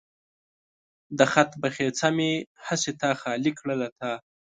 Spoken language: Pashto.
د خاطر بخڅه مې هسې تا خالي کړ له تالا